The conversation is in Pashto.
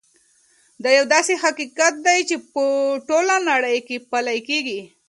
دا یو داسې حقیقت دی چې په ټوله نړۍ کې پلی کېږي.